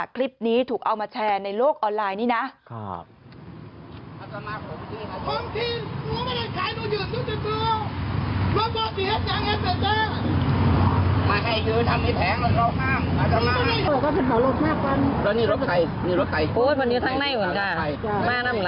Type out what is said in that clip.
คลิปนี้ถูกเอามาแชร์ในโลกออนไลน์นี่นะ